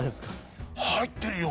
入ってるよ。